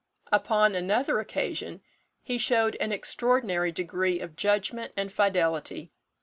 "Upon another occasion he showed an extraordinary degree of judgment and fidelity.